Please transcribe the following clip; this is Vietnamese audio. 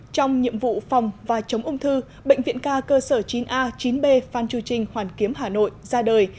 trong nhiệm vụ phòng và chống ung thư bệnh viện ca cơ sở chín a chín b phan chu trinh hoàn kiếm hà nội ra đời